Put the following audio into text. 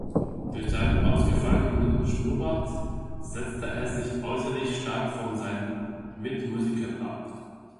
Durch seinen ausgefallenen Schnurrbart setzte er sich äußerlich stark von seinen Mitmusikern ab.